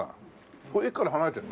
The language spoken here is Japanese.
ここ駅から離れてるの？